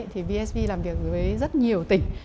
thì vsv làm việc với rất nhiều tỉnh